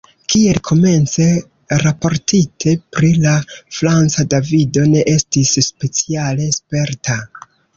Kiel komence raportite, pri la Franca Davido ne estis speciale sperta.